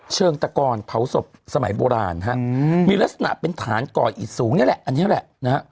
เมื่อก่อนเผาศพสมัยโบราณมีลักษณะเป็นฐานก่ออีกสูงนี่แหละ